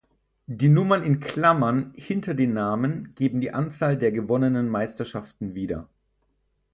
Die Nummern in Klammern hinter den Namen geben die Anzahl der gewonnenen Meisterschaften wieder.